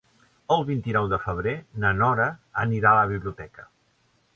El vint-i-nou de febrer na Nora anirà a la biblioteca.